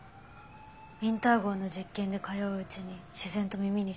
ウィンター号の実験で通ううちに自然と耳にしました。